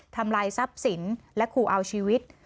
ทำลายทรัพย์สินและขู่เอาชีวิต